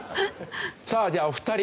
さあじゃあお二人